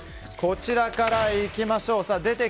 こちらからいきましょう。